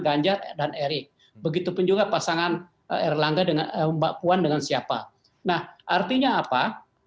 ganjar dan erick begitu pun juga pasangan erlangga dengan mbak puan dengan siapa nah artinya apa